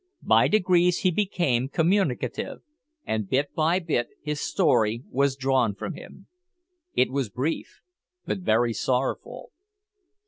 By degrees he became communicative, and, bit by bit, his story was drawn from him. It was brief, but very sorrowful.